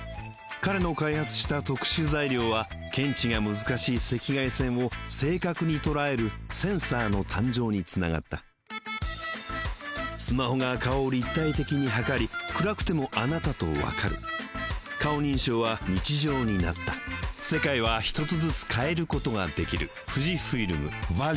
彼の開発した特殊材料は検知が難しい赤外線を正確に捉えるセンサーの誕生につながったスマホが顔を立体的に測り暗くてもあなたとわかる顔認証は日常になった松井、１人かわす。